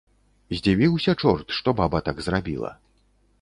Здзівіўся чорт, што баба так зрабіла.